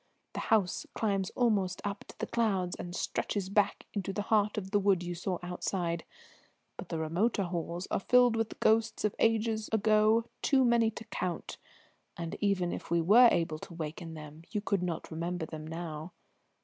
"The house climbs up almost to the clouds, and stretches back into the heart of the wood you saw outside, but the remoter halls are filled with the ghosts of ages ago too many to count, and even if we were able to waken them you could not remember them now.